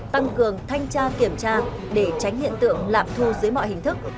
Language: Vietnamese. tăng cường thanh tra kiểm tra để tránh hiện tượng lạm thu dưới mọi hình thức